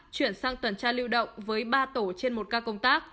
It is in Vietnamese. chuyển sang tuần tra lưu động với ba tổ trên một ca công tác